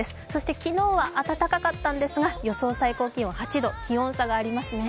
昨日は暖かかったんですが予想最高気温８度、気温差がありますね。